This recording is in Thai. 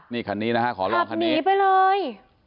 นี่คันนี้นะฮะขอลองคันนี้หนีไปเลย